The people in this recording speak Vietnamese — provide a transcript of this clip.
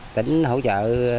tỉnh hỗ trợ ba mươi